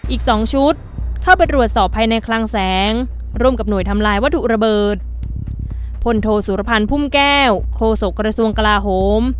อีกสองชุดเข้าไปตรวจสอบภายในคลังแสงร่วมกับหน่วยทำลายวัตถุระเบิดพลโทสุรพันธ์พุ่มแก้วโคศกระทรวงกลาโหม